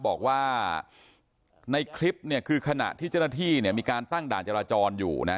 บอกว่าในคลิปเนี่ยคือขณะที่เจ้าหน้าที่เนี่ยมีการตั้งด่านจราจรอยู่นะ